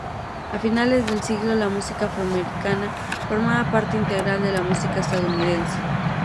A finales del siglo, la música afroamericana formaba parte integral de la música estadounidense.